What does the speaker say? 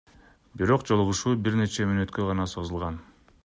Бирок жолугушуу бир нече мүнөткө гана созулган.